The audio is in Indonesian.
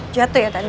jatuh ya tadi